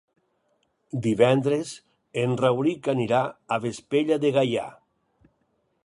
Divendres en Rauric anirà a Vespella de Gaià.